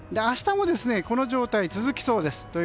明日もこの状態、続きそうです。